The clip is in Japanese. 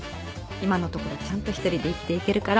今のところちゃんと一人で生きていけるから。